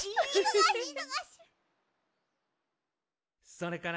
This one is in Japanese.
「それから」